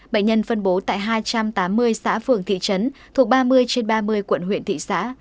bệnh nhân phân bố tại hai trăm tám mươi xã phường thị trấn thuộc ba mươi trên ba mươi quận huyện thị xã